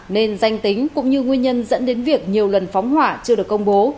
nên danh tính cũng như nguyên nhân dẫn đến việc nhiều lần phóng hỏa chưa được công bố